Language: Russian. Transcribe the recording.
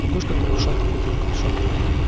Кукушка кукушонку купила капюшон.